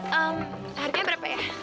harganya berapa ya